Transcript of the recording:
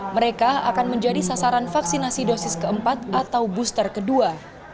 mereka akan menjadi sasaran vaksinasi dosis keempat atau booster kedua